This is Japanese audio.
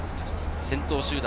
先頭集団。